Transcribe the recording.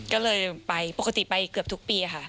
ก็เลยไปปกติไปเกือบทุกปีค่ะ